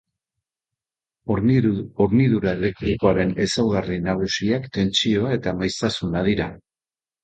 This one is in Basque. Hornidura elektrikoaren ezaugarri nagusiak tentsioa eta maiztasuna dira.